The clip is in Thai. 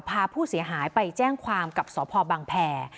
พาผู้เสียหายไปแจ้งความกับสพบังแพร